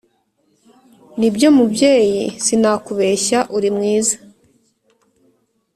nibyo mubyeyi sinakubeshya uri mwiza